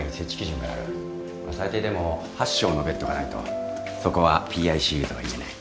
最低でも８床のベッドがないとそこはＰＩＣＵとは言えない。